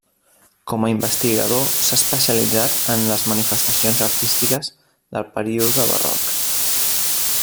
Com a investigador s'ha especialitzat en les manifestacions artístiques del període barroc.